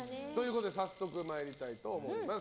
早速参りたいと思います。